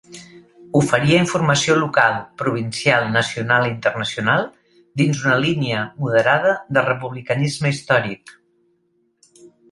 Oferia informació local, provincial, nacional i internacional, dins una línia moderada de republicanisme històric.